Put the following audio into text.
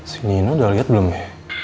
si nino udah liat belum ya